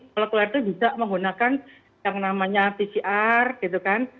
molekuler itu bisa menggunakan yang namanya pcr gitu kan